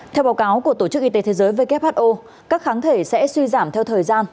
theo báo cáo của tổ chức y tế thế giới who các kháng thể sẽ suy giảm theo thời gian